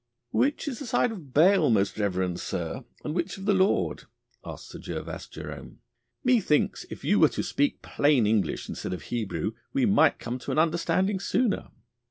'Which is the side of Baal, most reverend sir, and which of the Lord?' asked Sir Gervas Jerome. 'Methinks if you were to speak plain English instead of Hebrew we might come to an understanding sooner.